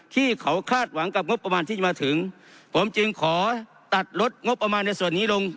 ที่เขาคาดหวังกับงบประมาณที่จะมาถึงผมจึงขอตัดลดงบประมาณในส่วนนี้ลง